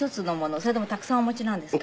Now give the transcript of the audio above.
それともたくさんお持ちなんですか？